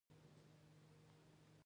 د پروپولیس د څه لپاره وکاروم؟